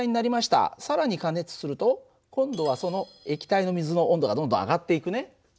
更に加熱すると今度はその液体の水の温度がどんどん上がっていくね。